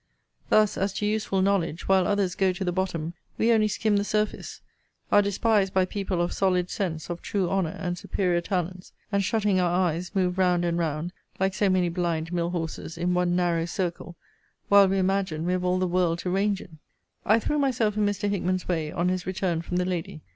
Thus, as to useful knowledge, while others go to the bottom, we only skim the surface; are despised by people of solid sense, of true honour, and superior talents; and shutting our eyes, move round and round, like so many blind mill horses, in one narrow circle, while we imagine we have all the world to range in. I threw myself in Mr. Hickman's way, on his return from the lady.